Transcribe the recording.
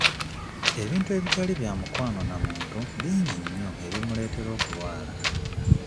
Ebintu ebitali bya mukwano na muntu bingi nnyo ebimuleetera okulwala.